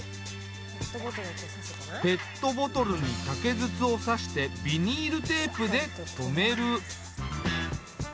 ペットボトルに竹筒を挿してビニールテープで留める。